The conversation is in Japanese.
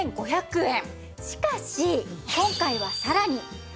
しかし今回はさらに。